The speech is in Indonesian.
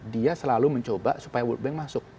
dia selalu mencoba supaya world bank masuk